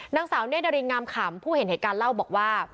นางสาวเนธนารินงามขำผู้เห็นเหตุการณ์เล่าบอกว่า